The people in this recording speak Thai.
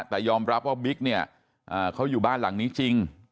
แต่ยอมรับว่าบิ๊กเนี่ยเขาอยู่บ้านหลังนี้จริง